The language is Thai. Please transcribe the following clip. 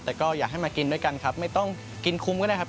แต่ก็อยากให้มากินด้วยกันครับไม่ต้องกินคุ้มก็ได้ครับ